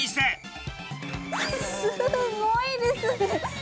すごいですね。